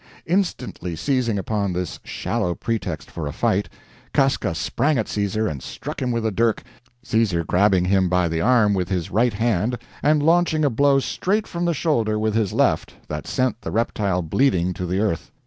Instantly seizing upon this shallow pretext for a fight, Casca sprang at Caesar and struck him with a dirk, Caesar grabbing him by the arm with his right hand, and launching a blow straight from the shoulder with his left, that sent the reptile bleeding to the earth.